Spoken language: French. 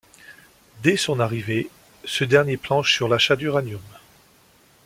Dès son arrivée, ce dernier planche sur l'achat d'Uramin.